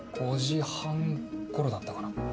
５時半頃だったかな。